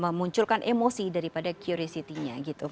memunculkan emosi daripada curiosity nya gitu